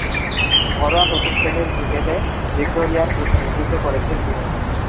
ঘরোয়া প্রথম-শ্রেণীর ক্রিকেটে ভিক্টোরিয়ার প্রতিনিধিত্ব করেছেন তিনি।